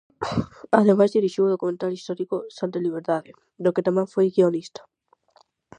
Ademais, dirixiu o documental histórico "Santa Liberdade", do que tamén foi guionista.